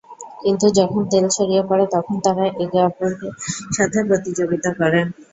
কিন্তু যখন তেল ছড়িয়ে পড়ে, তখন তারা একে অপরের সাথে প্রতিযোগিতা করে।